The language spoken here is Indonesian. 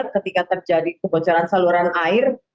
ketika terjadi kebocoran saluran air